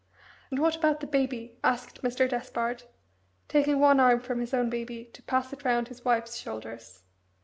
"And what about the Baby?" asked Mr. Despard, taking one arm from his own baby to pass it round his wife's shoulders.